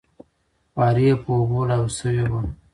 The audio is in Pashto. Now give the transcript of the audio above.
خواري یې په اوبو لاهو شوې وه.